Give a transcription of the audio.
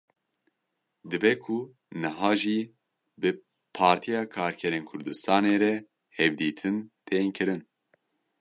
Dibe ku niha jî bi Partiya Karkerên Kurdistanê re hevdîtin tên kirin.